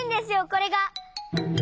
これが。